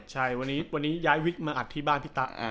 ใช่วันนี้ย้ายวิกมาอัดที่บ้านพี่ตะ